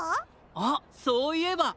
あっそういえば！